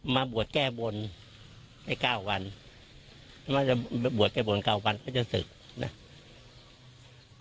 มาบวชแก้บนไป๙วันมาบวชแก้บน๙วันก็จะศึกนะ